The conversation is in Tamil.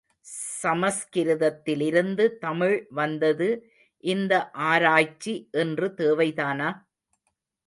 சமஸ்கிருதத்திலிருந்து தமிழ் வந்தது இந்த ஆராய்ச்சி இன்று தேவைதானா?